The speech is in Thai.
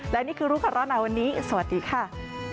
และนี่คือรู้ก่อนร้อนหนาวันนี้สวัสดีค่ะ